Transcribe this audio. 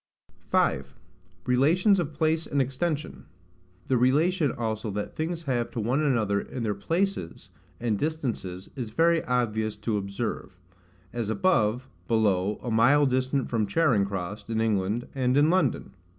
5. Relations of Place and Extension. The relation also that things have to one another in their PLACES and distances is very obvious to observe; as above, below, a mile distant from Charing cross, in England, and in London.